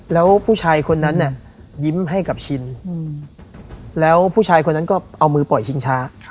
แล้วผู้ชายคนนั้นน่ะยิ้มให้กับชินแล้วผู้ชายคนนั้นก็เอามือปล่อยชิงช้า